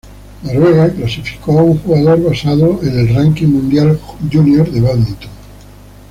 Noruega clasificó a un jugador basado en el ranking mundial junior de bádminton.